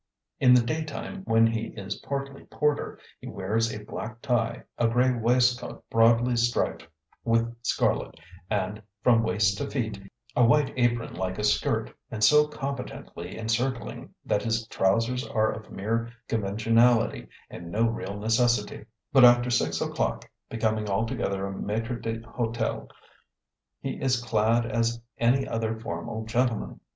In the daytime, when he is partly porter, he wears a black tie, a gray waistcoat broadly striped with scarlet, and, from waist to feet, a white apron like a skirt, and so competently encircling that his trousers are of mere conventionality and no real necessity; but after six o'clock (becoming altogether a maitre d'hotel) he is clad as any other formal gentleman.